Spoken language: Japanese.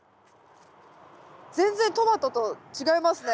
全然トマトと違いますね。